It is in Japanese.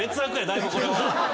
だいぶこれは。